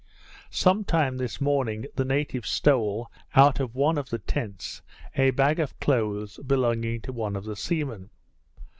Some time this morning, the natives stole, out of one of the tents, a bag of clothes belonging to one of the seamen.